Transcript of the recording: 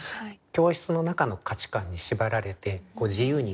教室の中の価値観に縛られて自由に動けない。